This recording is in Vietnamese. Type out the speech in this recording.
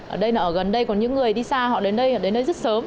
ở đây là ở gần đây còn những người đi xa họ đến đây đến đây rất sớm